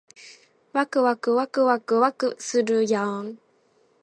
わくわくわくわくわくするやーん